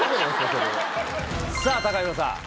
それさあＴＡＫＡＨＩＲＯさん